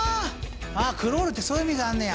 クロールってそういう意味があんねや。